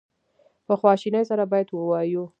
په خواشینی سره باید ووایو.